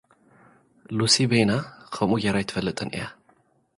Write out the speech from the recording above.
ሉሲ በይና ኸምኡ ገይራ ኣይትፈልጥን እያ።